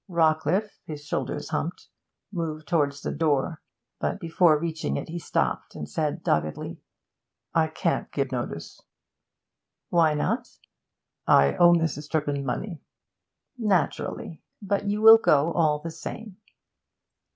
Rawcliffe, his shoulders humped, moved towards the door; but before reaching it he stopped and said doggedly 'I can't give notice.' 'Why not?' 'I owe Mrs. Turpin money.' 'Naturally. But you will go, all the same.'